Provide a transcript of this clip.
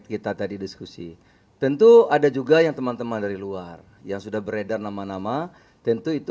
kita tadi diskusi tentu ada juga yang teman teman dari luar yang sudah beredar nama nama tentu itu